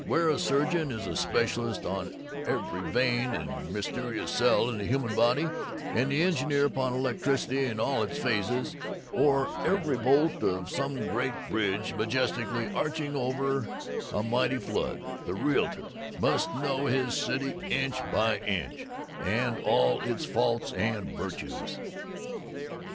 Where a surgeon is a specialist on every vein and mysterious cell of the human body, and the engineer upon electricity in all its phases, or every bolt of some great bridge majestically arching o'er a mighty flood, the realtor must know his city, inch by inch, and all its faults and virtues."